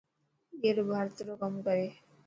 اي رو ڀرت رو ڪم ڪري.